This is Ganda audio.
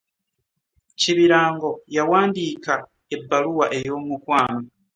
Kibirango yawandiika ebbaluwa ey'omukwano.